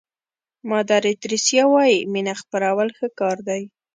مادر تریسیا وایي مینه خپرول ښه کار دی.